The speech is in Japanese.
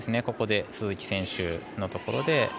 ここで、鈴木選手のところで。